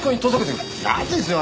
嫌ですよ。